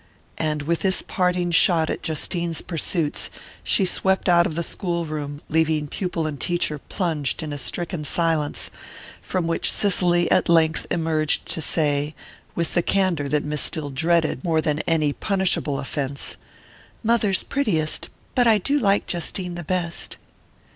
And with this parting shot at Justine's pursuits she swept out of the school room, leaving pupil and teacher plunged in a stricken silence from which Cicely at length emerged to say, with the candour that Miss Dill dreaded more than any punishable offense: "Mother's prettiest but I do like Justine the best."